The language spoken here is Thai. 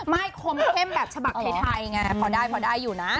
ไม่คมเข้มแบบฉบักไทยไงพอได้อยู่นะ